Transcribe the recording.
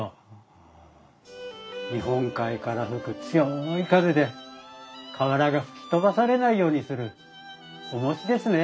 日本海から吹く強い風で瓦が吹き飛ばされないようにするおもしですね。